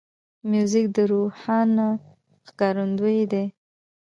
موزیک د روحانه ښکارندوی دی.